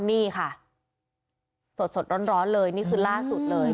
นี่ค่ะสดร้อนเลยนี่คือล่าสุดเลย